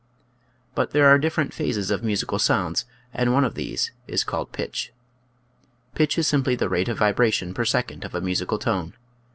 But there are different phases of musical sounds, and one of these is called pitch. Pitch is simply the rate of vibration per second of a musical tone.